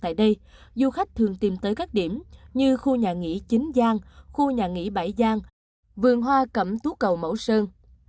tại đây du khách thường tìm tới các điểm như khu nhà nghỉ chính giang khu nhà nghỉ bãi giang vườn hoa cẩm tú cầu mấu sơn